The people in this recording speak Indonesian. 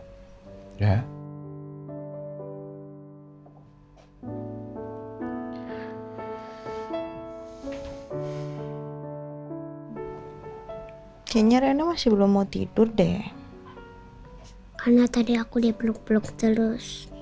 kayaknya riana masih belum mau tidur deh karena tadi aku di peluk peluk terus